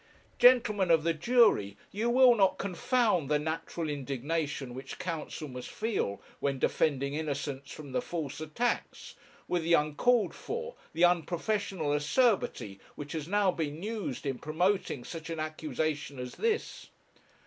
Gentlemen of the jury, you will not confound the natural indignation which counsel must feel when defending innocence from the false attacks, with the uncalled for, the unprofessional acerbity which has now been used in promoting such an accusation as this.